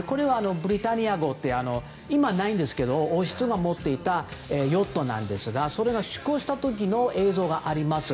「ブリタニア号」っていう今はないんですけど王室が持っていたヨットなんですがそれが出航した時の映像があります。